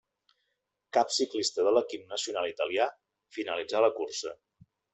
Cap ciclista de l'equip nacional italià finalitzà la cursa.